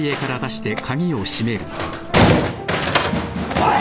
・おい。